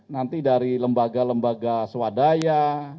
nanti dari lembaga lembaga swadaya